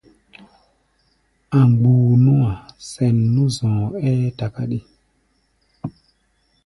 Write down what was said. A̧ mgbuu nú-a sɛn nú zɔɔ-ɛ́ɛ́ takáɗi.